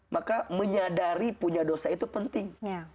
maka menyadari punya dosa itu penting